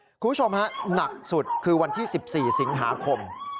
คุณผู้ชมฮะหนักสุดคือวันที่๑๔สิงหาคม